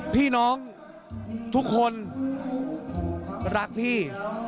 พี่น้องทุกคนรักพี่